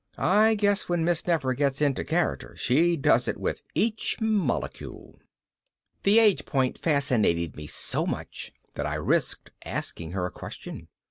I guess when Miss Nefer gets into character she does it with each molecule. That age point fascinated me so much that I risked asking her a question.